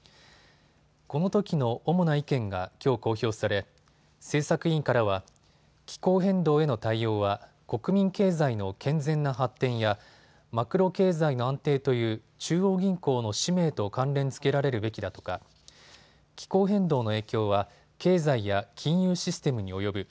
このときの主な意見がきょう公表され政策委員からは気候変動への対応は国民経済の健全な発展やマクロ経済の安定という中央銀行の使命と関連付けられるべきだとか気候変動の影響は経済や金融システムに及ぶ。